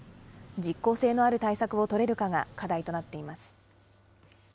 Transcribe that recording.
実効性のある対策を取れるかが課題となっています。